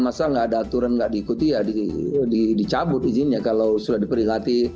masa gak ada aturan gak diikuti ya dicabut izinnya kalau sudah diperikati